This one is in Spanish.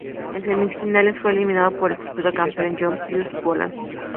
En semifinales fue eliminado por el futuro campeón John Pius Boland.